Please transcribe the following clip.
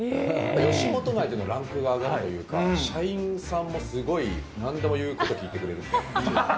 吉本内のランクが上がるというか、社員さんもすごいなんでもいうこと聞いてくれるんで。